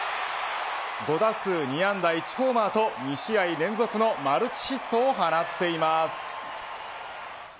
５打数２安打１ホーマーと２試合連続のマルチヒットを放っています。